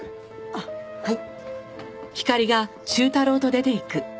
あっはい。